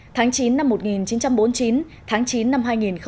tháng chín năm một nghìn chín trăm bốn mươi chín tháng chín năm hai nghìn một mươi chín